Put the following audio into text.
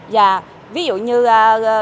và ví dụ như đề tài